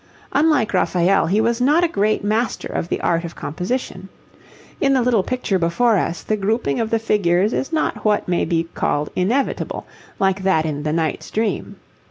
Unlike Raphael, he was not a great master of the art of composition. In the little picture before us the grouping of the figures is not what may be called inevitable, like that in the 'Knight's Dream.'